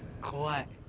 怖い。